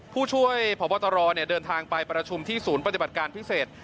ผู้ช่วยพบตรเดินทางไปประชุมที่ศูนย์ปฏิบัติการพิเศษ